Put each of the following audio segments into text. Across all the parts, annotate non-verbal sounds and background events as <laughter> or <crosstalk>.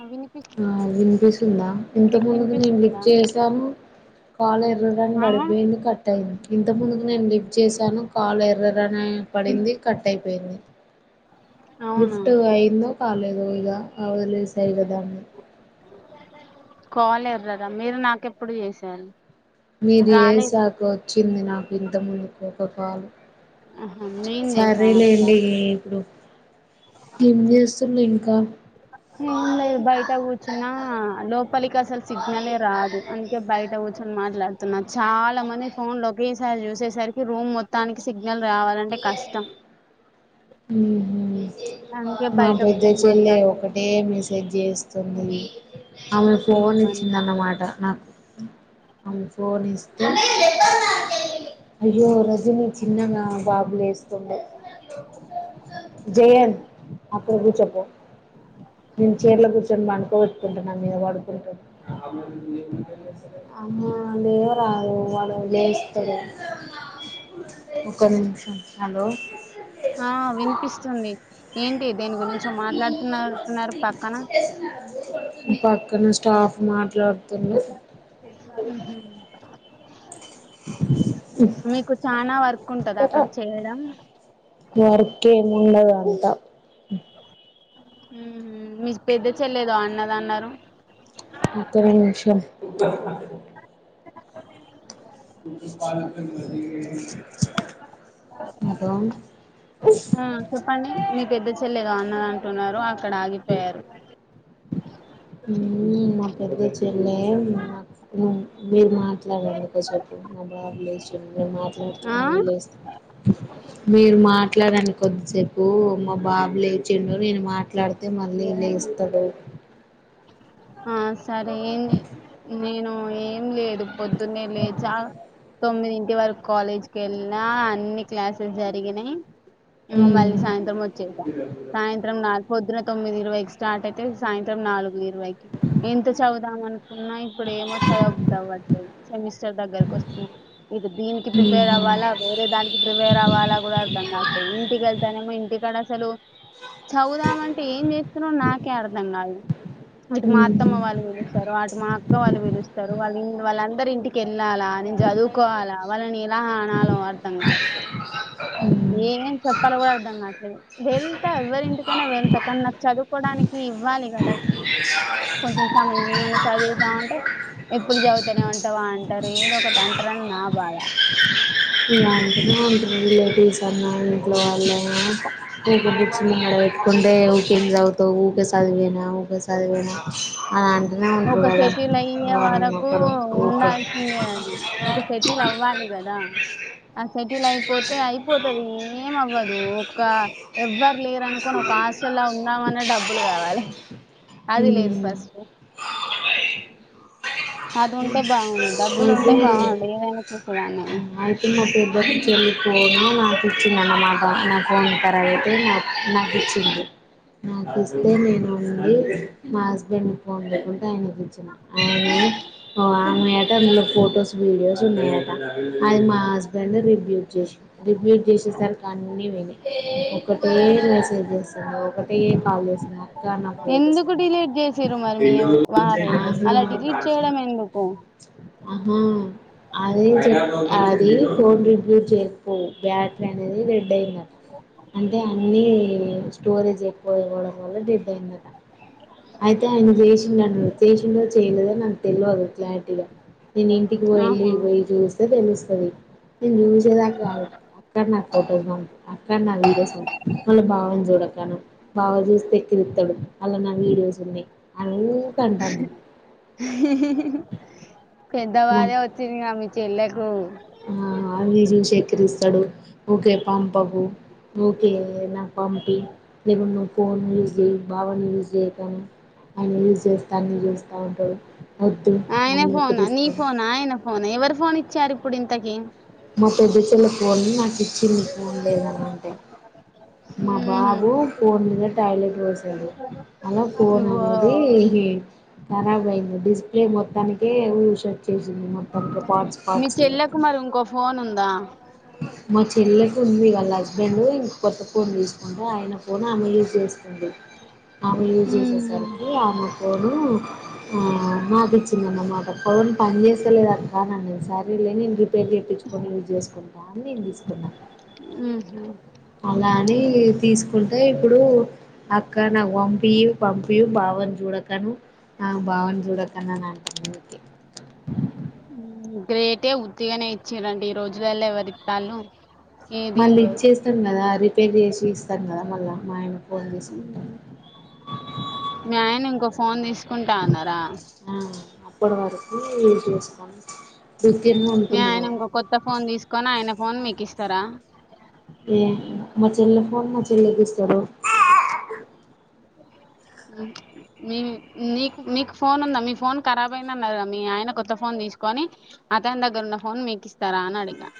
ఆ వినిపిస్ ఆ వినిపిస్తుందా ఇంత మీకు ముందుకు నేను లిక్ వినిపిస్తుందా చేసాను కాలు ఎర్రడానికి ఆహా పడిపోయింది కట్ అయింది ఇంత ముందుకు నేను లిఫ్ చేశాను కాల్ ఎర్రర్ అని పడింది కట్ అయిపోయింది అవునా లిఫ్ట్ అయిందో పాలోయగా అవల విసైదగాన్ని కోలేరు కదా మీరు నాకెప్పుడు చేసారు మీరు వేశాక వచ్చింది నాకు ఇంత మునుకో సపాల ఆహా నేను సరే చేశాను అప్పుడా లేండి ఇప్పుడు ఏం చేస్తుండ్రు ఇంకా ఏం లేదు బయట కూర్చున్నా లో ఇక అసలు సిగ్నలే రాదు అందుకే బయట కూర్చొని మాట్లాడుతున్నాను చాలా మంది ఫోన్ లో ఒకేసారి చూసేసరికి రూమ్ మొత్తానికి సి సిగ్నల్ రావాలంటే కష్టం ఊహు అందుకే మా బయట పెద్ద కూర్చొని చెల్లె మాట్లాడుతున్నా ఒకటే మెసేజ్ చేసి ఆమెను ఫోన్ ఏమని ఇచ్చిందన్నమాట నాకు ఆమె ఫోన్ ఇస్తే అయ్యో రజని చిన్నగా బాబులు వేస్తుండ జయం అక్కడ కూర్చోపో నేను చీరలో కూర్చొని వడుకోబెట్టుకుంటున్నా మీద పడుకుంటు అ లేవ రాదు వాడు లే ఒక్క నిమిషం హలో ఆ వినిపిస్తుంది ఏంటి దేని గురించి మాట్లాడుతున్నట్టున్నారు పక్కన పక్కన స్టాఫ్ మాట్లాడుతున్నా మీకు చానా వర్క్ ఉంటదా అక్కడ చేయడం వర్క్ ఏం ఉండదు అంత మీ పెద్ద చెల్లి ఏదో అన్నది అన్నారు ఒక్క నిమిషం పా అదా ఆ న్నారు అక్కడ ఆగిపోయారు ఉమ్ మా పెద్ద తెల్లే నాక్ నువ్ మీరు మాట్లాడండి కొస్సేపు నా బాబు లేచుండ్ మీరు మాట్లాడుతూ ఆ మళ్ళీ లేస్త మీరు మాట్లాడన్ కొద్. చెప్పు మా బాబు లేచిండు నేను మాట్లాడితే మళ్ళీ లేస్తడు ఆ సరే ఏంటి నేను ఏం లేదు పొద్దున్నే లేచా తొమ్మిదిన్ ఇటి వరకు కాలేజ్ క వెళ్ిన అన్ని క్లాసెస్ జరిగినాయి మళ్ళీ మ్మ్ సాయంత్రం వచ్చేసా సాయంత్రం నాలు పొద్దున తొమ్మిది ఇరవై స్టార్ట్ అయితే సాయంత్రం నాలుగు ఎంత చదుదాం అనుకున్నా ఇప్పుడు ఏమో చదవబుద్దిఅవ్వట్లేదు సెమిస్టర్ దగ్గరకి వస్తుంది ఇటు దీనికి ప్రిపేర్ మ్మ్ అవ్వాలా వేరే దానికి ప్రిపేర్ అవ్వాలా కూడా అర్ధం కావట్లేదు ఇంటికి వెళ్తానేమో ఇంటికాడ హలో చదువుదామంటే ఏం చేస్తున్నో నాకే అర్థం కాదు. అటు మా హ్మ్ అత్తమ్మ మ్మ్ వాళ్ళు పిలుస్తారు అటు మా అక్క వాళ్ళు పిలుస్తారు వాళ్లి వాళ్ళన్ అందరు ఇంటికి వెళ్ళాలా నేను చదువుకోవాలా వాళ్ళని ఆ అనాలో అర్థం కాట్లే దు ఏం చెప్పాలో కూడా అర్ధం కాట్లేదు వెళ్తా ఎవరి ఇంటికైనా వెళ్తా కానీ నాకు చదువుకోవడానికి ఇవ్వాలి కదా కొంచెం సమయం ఏమన్నా చదువుతామ అంటే ఎప్పుడు హ్మ్ చదువు తనే ఉంటావా అంటారు ఏదొ ఒకటి అంటారు అని నా బాధ ఇలా అంటనే అంటలో రిలేటివ్స్ అన్నా ఇంట్లో వాళ్ళనా ఇంక కూచున్న ఆడ పెట్టుకుంటే ఊకేం చదువుతావు ఊకే చదివేనా ఊకే చదివానా ఆ ఒక సేటీల్ అయ్యే వరకు ఒకరు ఊకే ఉండాల్సిందే అది ఒక సేటీలు అవ్వాలి కదా అ సే టీలుయిపోతే అయిపోతుది ఏమవ్వదు ఒక ఎవ్వర్ లేరనుకోని ఒక హాస్ట్లా ఉందామనే డబ్బులు కావాలి అది లేదు హ్మ్ ఫస్ట్ అది ఎ ఉంటే బాగుండు డబ్బులు ఉంటే బాగుండు ఏదైనా చేసేదాన్నేమో ఐతే ఆంటీ మా పెద్ద చెల్లి ఫోను నాకిచ్చింది అనమాట నా ఫోన్నుంబే అ నా నాకిచ్చింది నాకు ఇస్తే నేను ఈ మా హస్బెండు ఫోన్లకు ఆయన కి ఇచ్చిన ఓ ఆమె అట ఫొటోస్ వీడియోస్ ఉన్నాయట అది మా హస్బ రందరు రివ్యూ చేష్ రిపీట్ చేసేసారు కాన్న విని ఒకటే మెసేజ్ చేస్తాను ఒకటే కాల్ చేస్తుంది నా ఫోటోస్ ఎందుకు పంపు డిలీట్ చేసిర్రు మరి మీ అని వారు అలా ఆహా డిలీట్ చేయడం ఎందుకు ఆహా అదే చె అది ఫోన్ రివ్యూ చెస్తే బ్యాటిరీ అనేది రెడ్ అయిందట అంటే అన్ని స్టోరేజ్ ఎక్కువ ఇవ్వడం వల్ల డెడ్ అయింది అయితే ఆయన చేసిండనరు చేసిండో ఎందదో నాకు తెల్వదు క్లారిటీగా నేను ఇంటికి పోయి వెళ్ళి ఆహా పోయి చూస్తే తెలుస్తది సరే నేను మంచిదాని కధు అక్కడ నాకు ఫొటోస్ పంపు అక్క నాకు వీడియోస్ పంపు మళ్ళీ బావని చూడకను బావ చూస్తే ఎక్కిరిస్తడు అలా నా వీడియోస్ ఉన్నయి అల ఊరకంటంది హే హే హే హే పెద్దవాళ్ళే నాకు వచ్చిండ్రు గా మీ చెల్లెకు ఆ ఆవిజూసి ఎక్కిరిస్తు తడు ఊకే పంపకు ఓకే నా పంపి నిన్న నువ్వు ఫోన్ జేసీ బావను యూజ్ చేయకను ఆయన యూజ్ చేస్త అన్ని చూస్తా ఉంటడు ఆయన ఫోనా నీ ఫోనా ఆయన ఫోనా ఎవరు ఫోన్ ఇచ్చారు ఇప్పుడింతకి మా పెద్ద చెల్లె ఫోన్ని నాకు ఇచ్చింది ఫోన్ లేదని అంటే మా ఉహుం. బాబు ఫోన్ మీద టాయిలెట్ పోశాడు అలా ఫోన్ ఓ అనేది కరాబ్ అయింది డిస్ప్లే మొత్తానికే ఊష్ చేసింది మొత్తానికే పాార్ట్స్ మీ పాార్ట్స్ గ చెల్లెకు మరి ఇంకో ఫోన్ ఉందా మా చెల్లె ఉంది వాళ్ళ హస్బెండ్ ఇంక కొత్త ఫోన్ తీసుకుంటే ఆయన ఫోన్ ఆమె యూజ్ చేస్తు స్తుంది ఆమె యూజ్ ఉహుం. చేసేసరికి ఆమె ఫోను ఆ మాకిచ్చిందనమాట ఫోన్ పని చేస్తలేదక్కా నన్నీసారి లె నేను రిపేర్ జేపిచుకొని యూస్ చేసుకుంట అని నేను తీసుకున్నా ఉహు అలాని తీసుకు అంటే ఇప్పుడు అక్క నాకు పంపి పంపి బావని చూడకను నాకు బావని చూడకని అని అన్నది ఉమ్ గ్రేటే ఉత్తిగనే ఇచ్చింరండి ఈ రోజులలో ఎవరిత్తాలు మళ్ళీ ఇచ్చేస్తాం కదా అది పెల్లి చేసి ఇస్తాను కదా మళ్ళా మాయ పొన్ చేసుకుంటాం మీ ఆయన ఇంకో <unintelligible> ఫోన్ తీస్ కుంటాన్నారా. ఏం చేసు మీ ఆయన ఇంకో కొత్త ఫోన్ తీసుకొని ఆయన ఫోన్ మీకు కిస్తారా ఏ మచెల్లె ఫోన్ మచెల్లా కిస్తాడు. మీ మీకు మీకు ఫోన్ ఉందా. మీ ఫోన్ కరాబ్ అయిదన్నరకదా. మీ ఆయన కొత్త ఫోన్ తీసుకొని అతని దగ్గర ఉన్న ఫోన్ మీకు ఇస్తారా అని అడిగా.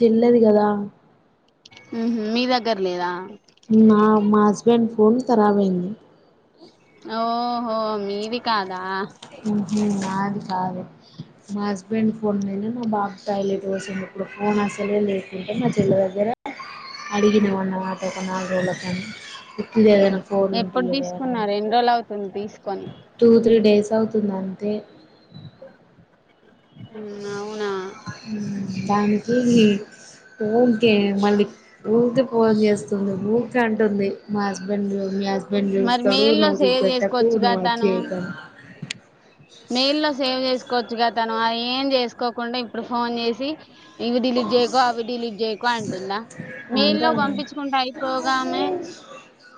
తిల్లదు కదా ఉహు మీ దగ్గర లేదా. నా మా హస్బెండ్ ఫోన్ ఖరాబయింది. ఓహో మీది కాదా ఉహు నాది కాదు. మా హస్బెండ్ ఫోన్ లేదు. అబ్బా టయిలెట్ పోసిండు. ఇప్పుడు ఫోన్ అసలే లేకుంటే మా చెల్ల దగ్గర అడిగిన ఉన్న మాటక నా వెళ్ళక ఇది ఏదైనా ఫోన్ ఉంటే ఎప్పుడు ఇయ్యావేని తీసుకున్నారు ఎన్ని రోజులు అవుతుంది తీసుకొని టూ త్రీ డేస్ అవు వస్తుందంతే స <unintelligible> దానికి ఉంకే మళ్ళీ ఊకే ఫోన్ చేస్తుంది ఊ క అంటుంది మా హస్బెండ్ మీ హస్ మరి మెయిల్లో సేవ్ చేసుకోవచ్చుగా నువ్వు అది తాను చేయకని మెయిల్లో సేవ్ చేసుకోవచ్చుగా. తను అది ఏం చేసుకోకుండా ఇప్పుడు ఫోన్ చేసి ఇవి డిలీట్ చేయకో, అవి డిలీట్ చేయకో అంటుందా అంటే మేయిల్లో పంపించుకుకోంటే అయిపోగామే.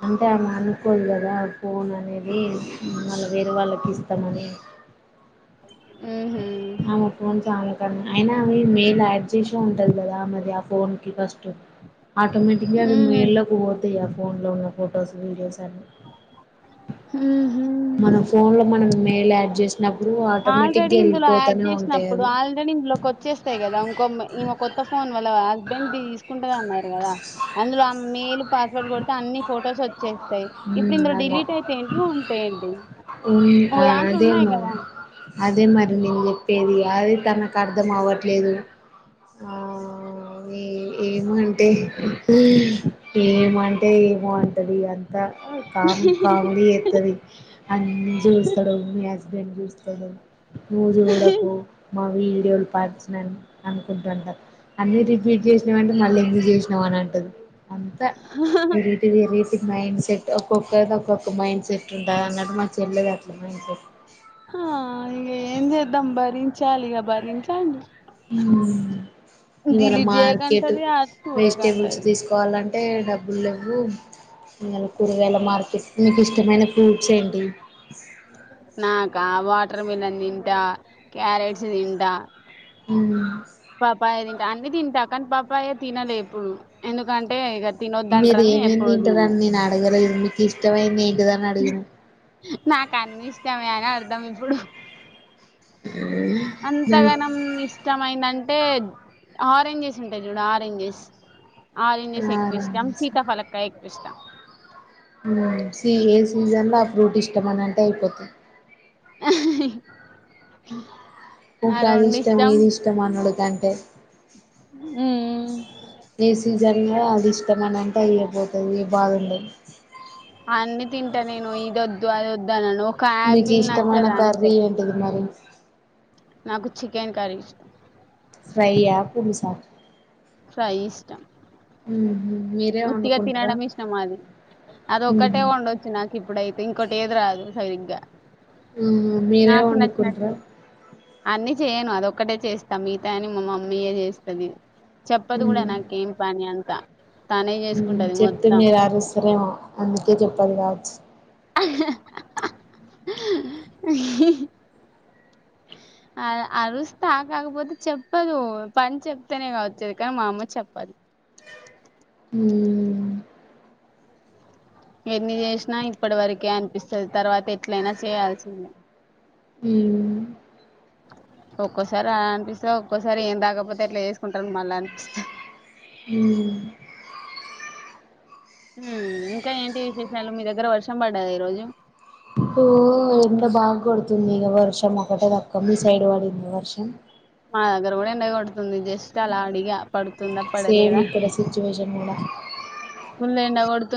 అంటే ఆమె అనుకోదు కదా ఫోన్ అనేది మళ్ళ వేరే వాళ్ళకి ఇస్తానని. ఊ హు ఆమె పోన్ చాలా కడనే అయినావి మేయిల్ యాడ్ చేసే ఉంటంది కదా. ఆ మరి ఆ ఫోన్ కి ఫస్ట్ ఆటోమేటిగ అవి ఉహు, మేల్లోకి పో. ఇగ ఫోన్ లో ఉన్న ఫోటోస్ వీడియోస్ తి. ఉహు. మనం ఫోన్ లో మనం మెల్ అ. జస్. చిన్నప్పుడు ఆటోమెటిగ్గా ఆల్రెడీ గెలి. ఇందులో యాడ్ చేసినప్పుడు ఆల్రెడీ ఇంధులోకి వొచ్చేస్తాయి కదా, ఇంకో బర్, ఈ కొత్త ఫోన్ వల్ల. హస్బెండ్ బి తీసుకుంటగా అన్నారు. కదా అందులో ఆ మెయిల్ పాస్వర్డ్ కొడితే అన్ని ఫొటోస్ వచ్చేస్తాయి. ఇప్పుడు ఉమ్ ఇందులో అలా డిలీట్ అయితే ఏంటి, ఉంటే ఏంటి ఉమ్ ఒక ఆ దాంట్లో అదే ఉన్నాయి మరి కదా. అదే మరి నేను చెప్పేది అది తనకు అర్థం అవ్వట్లేదు. ఆ ఏమంటే ఊ ఏ మొ ఏమో అంటది అన్. దహి కామీడి కామీడీ జేతది అన్నీ చూస్తాడు మీ హస్బెండ్ చూస్తాడు నువ్ జూడకు మా వీడియోలు పంచ్. అనుకుంటుంటారు అన్ని రిపీట్ చేసినాంటే మల్ల ఎందుకు జేసీ. అవునటుంది. అంతా ఎరిటివ్ ఎరిటి మైండ్స్. ఒక్కొక్కరిది ఒక్కొక్క మైండ్ సెట్. న నంబర్ చెల్లా ద. మెస్సేజ్. ఆ ఇగ ఏంజద్ధం బరి. చాలిగా భరించండి ఇవాళ దిలిట్ మార్కెట్ చేయకంటది అ చూడక అంటది. ఏ డబ్బులు లెవ్వు. ఇవాళ కూరగాయలా మార్కె స్. మీకు ఇష్టమైన ఫ్రూడ్స్ ఏంటి. నాకా వాటర్ మిలన్ తింటా క్యారెట్స్ తింటా. అవును. పాపాాయ తింటా అన్ని తింటా కానీ పాపాయ తినలే ఎప్పుడు ఎందుకంటే ఇ. మీరు ఎమ్ ఏం తింటారని నేను అడగలేదు మీక్. ఇష్టమైది. ఏదన్న అడిగిన. నాకు అన్ని ఇష్టమే అని అర్థం ఇప్పుడు. అంతగానం ఇష్టమైంద. అంటే ఆరెంజెస్ ఉంటాయి చూడు ఆరెంజెస్. ఆరెంజెస్ ఎక్కువ ఇష్టం సీతా పల్కాయ ఎక్కువ ఇష్టం. ఊ సి ఏ సీజన్ లో ఆ ఫ్రూట్ ఇష్టం అని అంటే అయిపోతాయి. <inaudible> ఆ ఇకా అది రెండు ఇష్టం ఏది ఇష్టం అన్నడుకంటే ఉమ్, ఏ సీజన్ లో అది. తమన్ అంటే అయ్యపోతది బాగుండన్ అన్ని తింటానేను ఇదొద్దు అదొద్దనను మీకిష్టమైన కర్రీ ఏంటిది మరి నాకు చికెన్ కర్రీ ఇష్టం ఫ్రైయా పులుసా ఫ్రై ఇష్టం ఉ ఉత్తిగా తినడం ఇష్ట అది అది ఉహు ఒక్కటే ఓడొచ్చు నాకు ఇప్పుడైతే ఇంకోటి ఏది రాదు. సరిగ్గా మ్ మీరే వండుకుంట్రా అన్నీ చేయను అదొక్కటే చేస్తా మిగతా అని మా మమ్మీయే జేస్తది చెపదు గుడా నాకేం పన్యన్ క ఉ చెప్తే మీరు అరుసరేమో అందుకే చెప్పదు కాద్ <unintelligible> <unintelligible> ఆర్ అరుస్తా కాకపోతే చెప్పదు పని చెప్తేనే గా వచ్చేది కానీ మా అమ్మ చెప్పదు హ్మ ఎన్ని జేసినా ఇప్పడ్ వరకే అనిపిస్తది తర్వాత ఎట్లైన చేయాల్సిందే ఉ ఒక్కోసారి అ అనిపిస్సే ఒక్కోసారి ఏం దకపోతే ఎట్లేసుకుంటరు మళ్ళనిపిస్తా హ్మ హ్మ ఇంకా ఏంటి విశేషాలు మీ దగ్గర వర్షం పడ్డాదా ఈ రోజు ఓ ఎండ బాగోడుతుంది ఇగ వర్షం ఒకటే తక్క మీ సైడ్ పడింద వర్షం మా దగ్గర కూడా ఎండ కొడుతుంది జస్ట్ అలా అడిగా పడుతుందా సేమ్ పడలేదా ఇక్కడ సిచ్యువేషన్ గూడా ఫుల్ ఎండ కొడుతున్